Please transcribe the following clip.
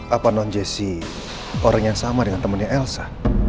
apa non jessi orang yang sama dengan temennya elsa